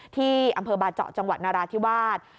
ที่อำเภอบาเจาะจังหวัดนราธิวาส